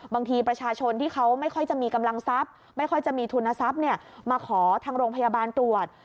บางทีประชาชนที่เขาไม่ค่อยจะมีกำลังทรัพย์ไม่ค่อยจะมีทุนทรัพย์มาขอทางโรงพยาบาลตรวจ